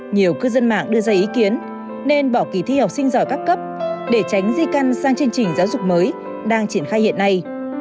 nhiều cư dân mạng đưa ra ý kiến nên bỏ kỳ thi học sinh giỏi các cấp để tránh di căn sang chương trình giáo dục mới đang triển khai hiện nay